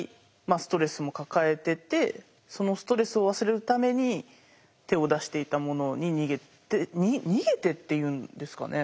ストレスも抱えててそのストレスを忘れるために手を出していたものに逃げて逃げてって言うんですかね。